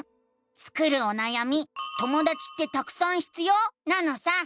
スクるおなやみ「ともだちってたくさん必要？」なのさ！